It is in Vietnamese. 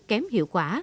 kém hiệu quả